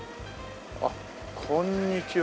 あっこんにちは。